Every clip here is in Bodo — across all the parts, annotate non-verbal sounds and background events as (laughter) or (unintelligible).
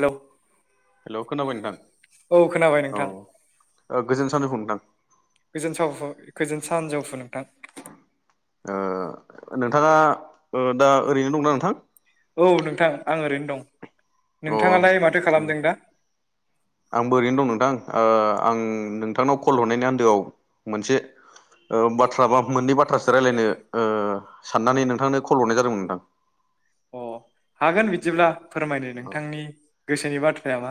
हेल'। हेल' खोनाबाय नोंथां औ खोनाबाय औ नोंथां ओ गोजोन सानजौफुं नोंथां गोजोन सानजौफु सावफु गोजोन सानजौफु नोंथां सानजौफु। ओ नोंथाङा ओ दा ओरैनो दंना नोंथां औ नोंथां आं ओरैनो दं अ' माथो नोंथाङालाय खालामदों खालामनो दा आंबो ओरैनो दं नोंथां ओ आं नों नोंथांनाव कल हरनायनि आन्दोआव मोनसे ओ बाथ्रा बा मोननै बाथ्रासो रायज्लायनो ओ साननानै नोंथांनो कल हरनाय जादोंमोन नोंथां अ' हागोन बिदिब्ला फोरमायनो औ नोंथांनि गोसोनि बाथ्राया मा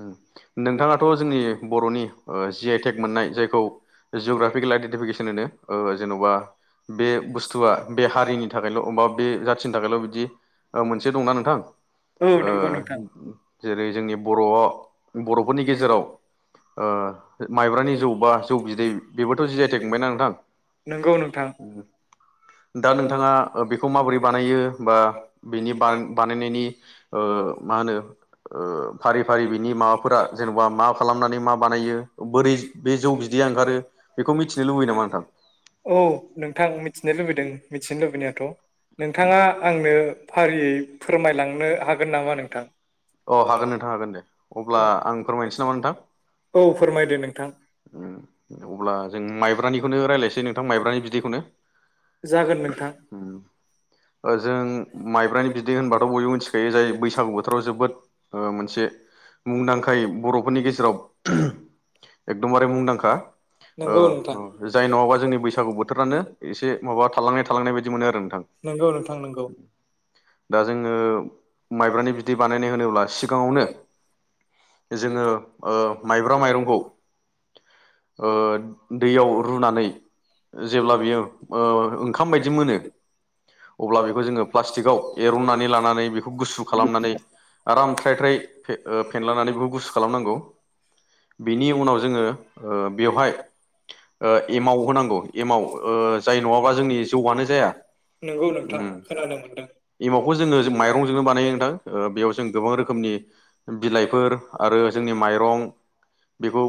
ओ नोंथाङाथ' जोंनि बर'नि ओ जि आइ टेक मोननाय जायखौ जिअग्राफि लाइड टिफेकेसन होनो ओ जेन'बा बे बुस्थ स्थुआ बे हारिनि थाखायल' अमबाब बे जाथिनि थाखायल' बिदि ओ मोनसे दंना नोंथां औ ओ नंगौ नोंथां जेरै जोंनि बर'आव बर'फोरनि गेजेराव ओ माइब्रानि जौ बा जौ बिदै बेबोथ' जि आइ टेक मोनबायना नोंथां नंगौ नोंथां दा नोंथाङा ओ बेखौ माबोरै बानायो बा बेनि बा-बानायनायनि ओ मा होनो ओ फारि फारि बिनि माबाफोरा जेन'बा मा खालामनानै मा बानायो बोरै बे जौ बिदैया ओंखारो बेखौ मिथिनो लुबैयो नामा नोंथां? औ नोंथां मिथिनो लुबैदों मिथिनो लुबैनायाथ' नोंथाङा आंनो फारियै फोरमायलांनो हागोन नामा नोंथां अ औ हागोन नोंथां दे अब्ला आं फोरमायनसै नामा नोंथां औ फोरमायदो नोंथां उम अब्ला जों माइब्रानिखौनो रायलायसै नोंथां माइब्रानि बिदैखौनो जागोन नोंथां उम अ जों माइब्रानि बिदै होनबाथ' बयबो मिथि बे जायो बैसागु बोथोराव जोबोद ओ मोनसे मुंदांखाय बर'फोरनि गेजेराव एकदमबारे मुंदांखा ओ नंगौ नोंथां अ जाय नङाबा जोंनि बैसागु बोथोरानो एसे माबा थालांनाय थालांनाय बायदि मोनो आरो नोंथां नंगौ नोंथां नंगौ दा जोङो माइब्रानि बिदै बानायनाय होनोब्ला सिगाङावनो जोङो ओ माइब्रा माइरंखौ ओ दैयाव रुनानै जेब्ला बियो ओ ओंखाम बायदि मोनो अब्ला बेखौ जोङो प्लास्टिकाव एरननानै लानानै बेखौ गुसु खालामनानै आराम थ्राय थ्राय फे-ओ फेनलानानै बेखौ गुसु खालामनांगौ बेनि उनाव जोङो ओ बेवहाय ओ एमाव होनांगौ एमाव जाय नङाबा जोंनि जौआनो जाया उम खोनानो मोनदों एमावखौ जोङो माइरंजोंनो बानायो नोंथां ओ बेयाव जों गोबां रोखोमनि बिलाइफोर आरो जोंनि माइरं बेखौ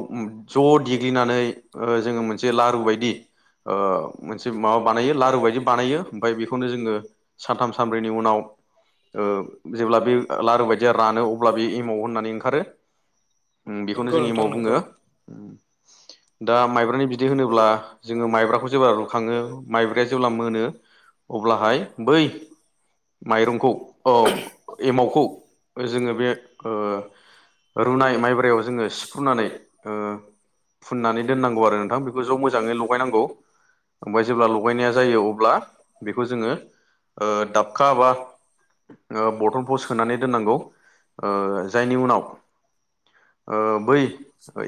ज' देग्लिनानै ओ जोङो मोनसे लारु बायदि ओ मोनसे माबा बानायो लारु बायदि बानायो ओमफ्राय बेखौनो जोङो सानथाम सानब्रैनि उनाव ओ जेब्ला बे लारु बायदिया रानो अब्ला बे एमाव होननानै ओंखारो ओ बेखौनो नंगौ जों नोंथां एमाव नंगौ बुङो दा माइब्रानि बिदै होनोब्ला जोङो माइब्राखौ जेब्ला रुखाङो माइब्राया जेब्ला मोनो अब्लाहाय बै माइरंखौ औ एमावखौ जोङो बे ओ रुनाय माइब्रायाव जोङो सिफ्रुनानै ओ फुननानै दोननांगौ आरो नोंथां बेखौ ज' मोजाङै लगायनांगौ ओमफ्राय जेब्ला लगायनाया जायो अब्ला बेखौ जोङो ओ दाबखा बा ओ बथन प्राव सोनानै दोननांगौ ओ जायनि उनाव ओ बै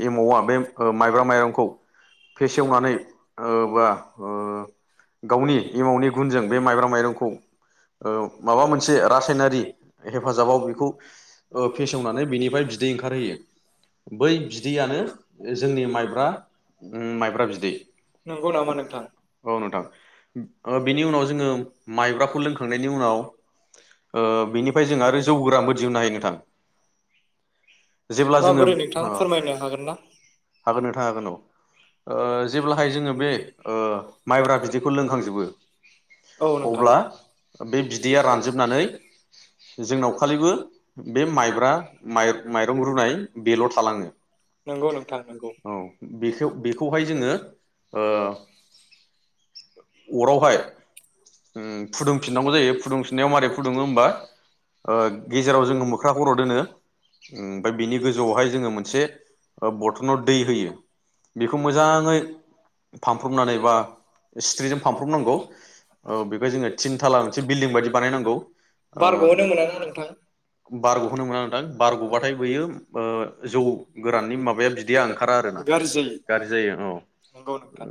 एमावआ बे माइब्रा माइरंखौ फेसेवनानै ओ बा गावनि एमावनि गुनजों बे माइब्रा माइरंखौ ओ माबा मोनसे रासायनारि हेफाजाबाव बेखौ ओ फेसेवनानै बिनिफ्राय बिदै ओंखारहोयो बै बिदैयानो जोंनि माइब्रा ओम माइब्रा बिदै नंगौ नामा नोंथां औ नोंथां ओ बिनि उनाव जोङो माइब्राखौ लोंखांनायनि उनाव ओ बिनिफ्राय जोंहा आरो जौ गोरााबो दिहुननो हायो नोंथां जेब्ला जोङो माबोरै नोंथां ओ फोरमायनो हागोन ना हागोन हागोन ओ जेब्लाहाय जोङो बे ओ माइब्रा बिदैखौ लोंखांजोबो औ नोंथां अब्ला बे बिदैया रानजोबनानै जोंनाव खालिबो बे माइब्रा माइ-माइरं रुनाय बेल' थालाङो नंगौ नोंथां नंगौ औ बेखौ बेखौहाय जोङो ओ अरावहाय ओम फुदुंफिननांगौ जायो फुदुंफिननायाव माबारै फुदुङो होमबा ओ गेजेराव जोङो मोख्रा खर' दोनो ओमफाय बेनि गोजौआवहाय जोङो मोनसे बरथनाव दै होयो बेखौ मोजाङै फानफ्रबनानै बा सिथ्रिजों फानफ्रबनांगौ औ बेखौ जोङो थिनथाला मोनसे बिल्डिं बायदि बानायनांगौ बारग'हनो मोना ना नोंथां बारग'होननो मोना नोंथां बारग'बाथाय बैयो ओ जौ गोराननि माबाया बिदैआ ओंखारा आरोना गाज्रि जायो गाज्रि जायो औ नंगौ नोंथां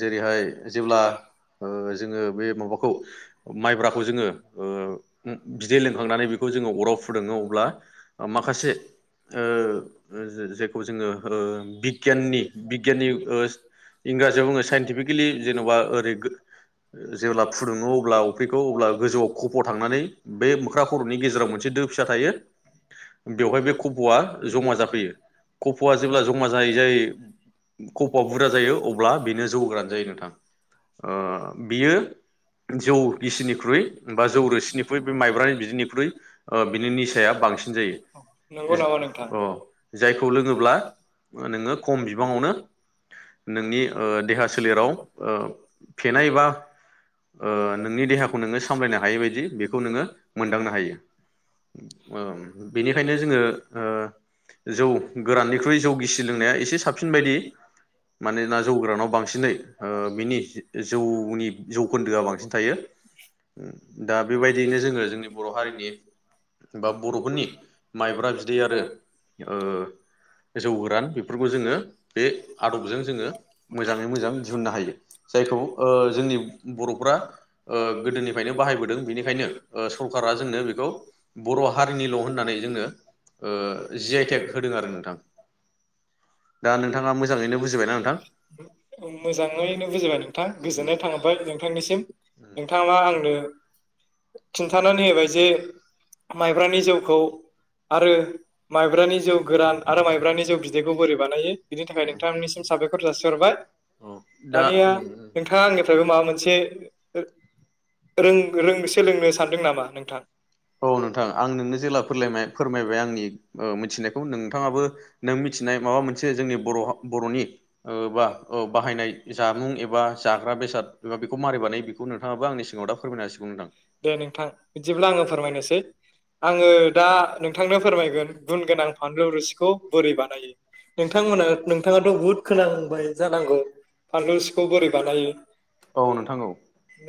जेरैहाय जेब्ला ओ जोङो बे माबाखौ माइब्राखौ जोङो ओ बिदै लोंखांनानै बेखौ जोङो अराव फुदुङो अब्ला माखासे ओ ओ जायखौ जोङो बिगियाननि बिगियाननि ओ इंराजियाव बुङो साइन्टिफिकेलि जेन'बा ओरै गो जेब्ला फुदुङो अब्ला अफ्रिखौ अब्ला गोजौआव खफ' थांनानै बे मोख्रा खर'नि गेजेराव मोनसे दो फिसा थायो बेवहाय बे खफ'आ जमा जाफैयो खफ'आ जेब्ला जमा जायै जायै खफ'आ बुरजा जायो अब्ला बेनो जौ गोरान जायो नोंथां ओ बियो जौ गिसिनिख्रुइ बा जौ रोसिनिख्रुइ बे माइब्रानि बिदिनिख्रुइ ओ बिनि निसाया बांसिन जायो नंगौ नामा नोंथां अ जाय खौ लोङोब्ला नोङो खम बिबाङावनो नोंनि ओ देहा सोलेराव ओ फेनाय एबा ओ नोंनि देहाखौ नोङो सामलायनो हायै बायदि बेखौ नोङो मोनदांनो हायो ओम बेनिखायनो जोङो जौ गोराननिख्रुइ जौ गिसि लोंनाया एसे साबसिन बायदि मानोना जौ गोरानाव बांसिनै ओ बिनि जौनि जौखोन्दोआ बांसिन थायो। दा बे बायदियैनो जोङो जोंनि बर' हारिनि बा बर'फोरनि माइब्रा बिदै आरो ओ जौ गोरान बेफोरखौ जोङो बे आदबजों जोङो मोजाङै मोजां दिहुननो हायो जायखौ ओ जोंनि बर'फ्रा ओ गोदोनिफ्रायनो बाहायबोदों। बेनिखायनो ओ सरकारा जोंनो बेखौ बर' हारिनिल' होननानै जोंनो ओ जि आइ टेक होदों आरो नोंथां दा नोंथाङा मोजाङैनो बुजिबायना नोंथां। मोजाङैनो बुजिबाय नोंथां गोजोननाय थाबाय नों थांनिसिम नोंथाङा आंनो खिन्थानानै हाय जे माइब्रानि जौखौ आरो माइब्रानि जौ गोरान आरो माइब्रानि जौ बिदैखौ मब्रानायाब बोरै नोंथाङा बानायो बिनि थाखाय नोंथांनिसिम साबायखर जासिहरबाय दानिया नोंथाङा आंनिफ्रायबो माबा आंनिफ्राय मोनसे जे रों रों सोलोंनो सानदों नामा नोंथां? (unintelligible) औ नोंथां आं नोंनो जेला फोरलायनाय फोरमायबाय आंनि मिथिनायखौ ओ नोंथाङाबो नों मिथिनाय माबा मोनसे जोंनि बर' बर'नि बा ओ बाहायनाय जामुं एबा जाग्रा बेसाद बेखौ मारै बानाय बेखौ नोंथाङाबो आंनि सिगाङाव दा फोरमायनो हासिगौ नोंथां (unintelligible) दे नोंथां बिदिब्ला आं फोरमायनोसै आङो दा नोंथांनो फोरमायगोन गुन दा गोनां फानलु रोसिखौ (unintelligible) बोरै बानायो नोंथांमोना नोंथाङाथ बहुद खोनांबाय जानांगौ फानलु रोसिखौ बोरै बानायो?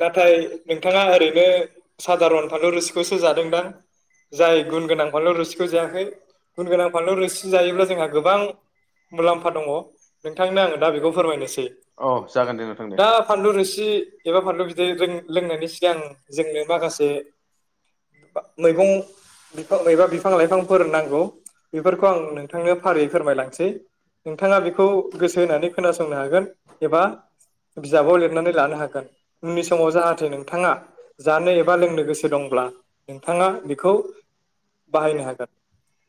नाथाय नोंथाङा ओरैनो सादारन फानलु रोसिखौसो जादोंदां नोंथां जाय गुन गोनां फानलु रोसिखौ जायाखै गुन गोनां फानलु औ (inaudible) अ रोसि जायोब्ला जोंहा गोबां मुलाम्फा दङ नोंथांनो आङो दा बेखौ फोरमायनोसै जागोन दे नोंथां दे दा फानलु रोसि एबा फानलौ बिदै लोंनायनि सिगां जोंनो माखासे मैगं फां एबा बिफां लाइफांफोर नांगौ बेफोरखौ खौ आं नोंथांनो फारियै फोरमायलांनोसै नोंथाङा बेखौ गोसो होनानै खोनासंनो हागोन एबा बिजाबाव लिरनानै लानो हागोन उननि समाव जाहाथे नोंथाङा जानो एबा लोंनो गोसो दंब्ला नोंथाङा बेखौ बाहायनो हागोन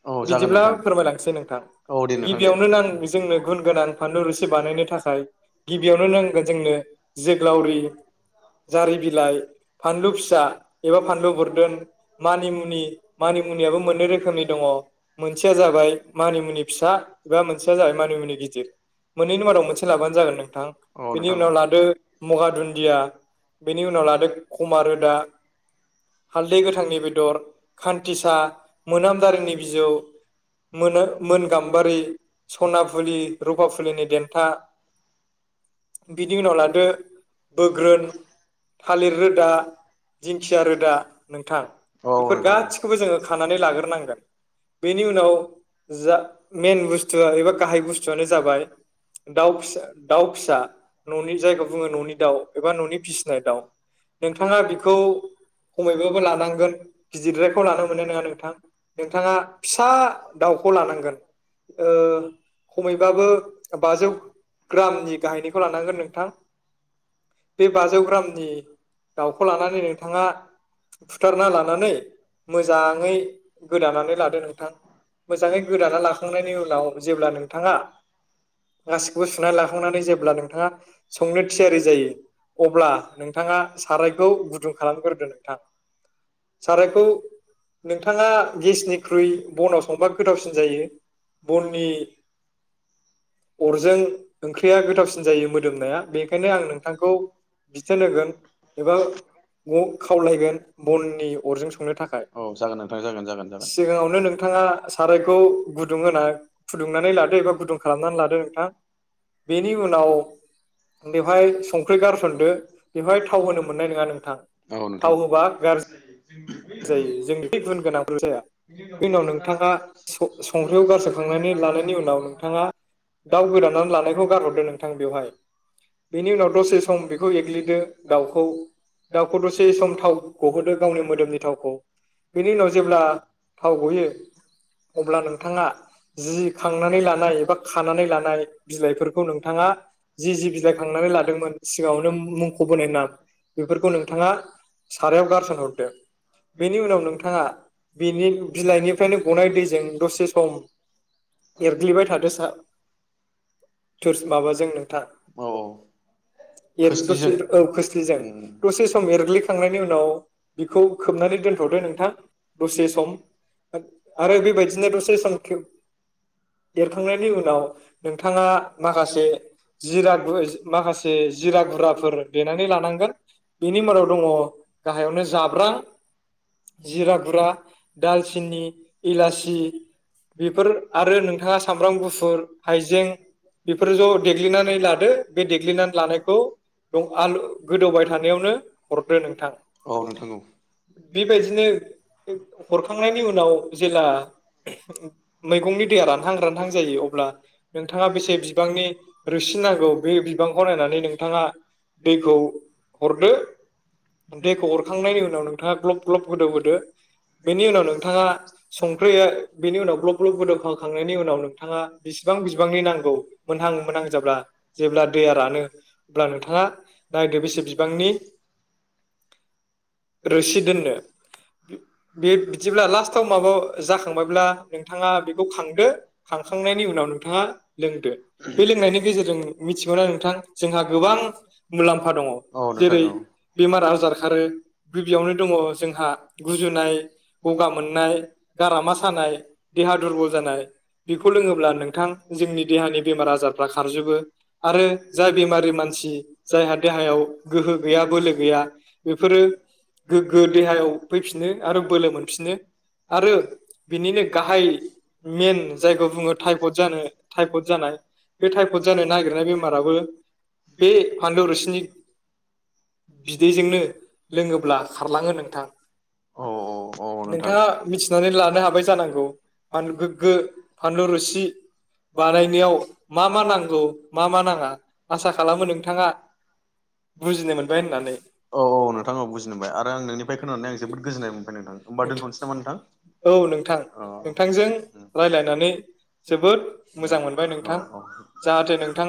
औ जागोन बिदिब्ला नोंथां फोरमायलांसै नोंथां औ दे नोंथां दे। गिबियावनो नां जोंनो गुन गोनां फानलु रुसि बानायनो थाखाय गिबियावनो नांगोन जोंनो जोग्लावरि जारि बिलाइ फानलु फिसा एबा फानलु बोरदोन मानिमुनि मानिमुनियाबो मोननै रोखोमनि दङ मोन सेया जाबाय मानिमुनि फिसा एबा मोनसेया जाबाय मानिमुनि गिदिर मोननैनि मादाव मोनसे लाबानो जागोन नोंथां बेनि उनाव लादो मगा दुन्दिया बेनि उनाव लादो खमा रोदा हालदै गोथांनि बेदर खान्थिसा मोनाम दारिेनि बिजौ मोनो मोन गाम्बारि सना फुलि रुफाफुलिनि देन्था बिनि उनाव लादो बोग्रोन थालिर रोदा दिंखिया रोदा नोंथां बेफोर गासिखौबो जोङो खानानै लाग्रोनांगोन बे बनि उनाव जा-मेन बुस्थु एबा गाहाय बुस्थुआनो जाबाय दाउ फिसा दाउ फिसा ननि जायखौ बुङो ननि दाउ एबा ननि फिसिनाय दाउ नोंथाङा बिखौ खमैबाबो लानांगोन गिदिरद्रायखौ लानो मोननाय नङा नोंथां नोंथाङा फिसा दाउखौ लानांगोन ओ खमैबाबो बाजौ ग्रामनि गाहायनिखौ लानांगोन नोंथां बे बाजौ ग्रामनि दाउखौ लानानै नोंथाङा बुथारना लानानै मोजाङै गोदानानै लादो नों थां मोजाङै गोदाना लाखांनायनि उनाव जेब्ला नोंथाङा गासिखौबो सुनानै लाखांनानै जेब्ला नोंथाङा संनो थियारि जायो अब्ला नोंथाङा सारायखौ गुदुं खालामग्रोदो नोंथां सारायखौ नोंथाङा गेसनिख्रुइ बनाव संबा गोथावसिन जायो बननि अरजों ओंख्रिया गोथावसिन जायो मोदोमनाया बेखायनो आं नोंथांखौ बिथोन होगोन एबा बिथोन होगोन बननि अरजों संनो थाखाय औ जागोन नोंथां जागोन जागोन सिगाङावनो नोंथाङा सारायखौ गुदुं होना फुदुंनानै लादो एबा गुदुं खालाम (unintelligible) बेनि उनाव बेवहाय संख्रि गारसनदो गारहरदो ओमफाय बेवहाय थाव होनो मोननाय गोथां नङा नोंथां (unintelligible) औ नोंथां थाव होबा गारजि जायो (unintelligible) जोंनि गुन गोनांफोर जाया बिनि बेनि उनाव नोंथाङा सं संख्रियाव गारसोखांनायनि लानायनि उनाव नोंथाङा दाउ गोदानानै लानायखौ गारहरदो नोंथां बेवहाय बेनि उनाव दसे सम बेखौ एग्लिदो दाउखौ दाउखौ दसे सम थाव गहोदो गावनि मोदोमनि थावखौ बेनि उनाव जेब्ला थाव मावयो गयो अब्ला नोंथाङा जि खांनानै लानाय एबा खानानै लानाय बिलाइफोरखौ नोंथाङा जि जि बिलाइ खांनानै लादोंमोन सिगाङावनो मुंखबोनाय नाम बेफोरखौ नोंथाङा सारायाव गारसन हरदो बेनि उनाव नोंथाङा बेनि बिलाइनिफ्रायनो गनाय दैजों दसे सम एरग्लिबाय थादो सा थोर खोस‌ ओ‌‌ माबाजों‌ माबाजों नोंथां औ खोसलि जों‌ उम‌ दसे सम एरग्लिखांनायनि उनाव खोबनानै दोनथदो नोंथां दसे सम आरो बे बायदिनो दसे सम देरखांनायनि उनाव नोंथाङा माखासे जिरा गुर माखासे जिरा गुराफोर देनानै लानांगोन बेनि मादाव दङ गाहायावनो जाब्रां जिरा गुरा दालचिनि इलासि बेफोर आरो नों सामब्राम गुुफुर हइजें बेफोर ज लादो बे देग्लिनानै देग्लिनानै लानायखौ लानायखो आलु ओंख्रि गोदौबाय थानायावनो थानायालनो हरदो नोंथां (unintelligible) औ नोंथां औ (unintelligible) बेबायदिनो हरखांनायनि उनाव जेला मैगंनि दैया रा थां जायो अब्ला नोंथाङा बेसे बिबांनि रोसि‌नांगौ बे बिबांखौ नायनानै नोंथाङा दैखौ हरदो दैखौ हरखांनायनि उनाव नोंथाङा ग्लब ग्लब गोदौ होदो बेनि उनाव नोंथाङा संख्रिया बेनि उनाव ग्लब ग्लब होख खांनायनि उनाव नोंथाङा बेसेबां बिबांनि नांगौ मोनहां मोनहां जाब्ला जेब्ला दैया रानो अब्ला नोंथाङा नायदो बेसे बिबांनि रोसि दोननो बे बिदिब्ला लास्टआव माबायाव जाखांबायब्ला नोंथाङा बेखौ खांदो खांखांनायनि उनाव नोंथाङा लोंदो बे लोंनायनि गेजेरजों मिथिगौना नोंथां जोंहा गोबां मुलाम्फा दङ जेरै बेमार आजार खारो गिबियावनो दङ जोंहा गुजुनाय गगा मोननाय गारामा सानाय देहा दुरबल जानाय बेखौ लोङोब्ला नोंथां जोंनि देहानि बेमार आजारफ्रा खारजोबो आरो जाय बेमारि मानसि जायहा देहायाव गोहो गैया बोलो गैया बेफोरो गोग्गो देहायाव फैफिनो आरो बोलो मोनफिनो आरो बिनिनो गाहाय मेन जायगायाव बुङो टाइफड जानो टाइफड जानाय बे थटाइफड जानो नागिरनाय बेमाराबो बे फानल रोसिनि बिदैजोंनो लोङोब्ला खारलाङो नोंथां नोंथाङा मिथिनानै लानो हाबाय जानांगौ फानलु गोग्गो फानलु रोसि बानायनायाव औ मा मा नांगौ मा मा नाङा आसा खालामो बुजिनो मोनबाय होननानै नोंथाङा आरो आं ननिफ्रायखौोननानै आं जबोद गोजोननाय मोनबाय नोंथां हबा दोनथ'नोसै औ नोंथां नोंथांजों रायज्लायनानै नामा जोबोद मोजां मोनबाय नोंथां जाहाथे नोंथाङा नोंथां